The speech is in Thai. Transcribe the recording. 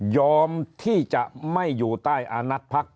ยอมที่จะไม่อยู่ใต้อานัดพัก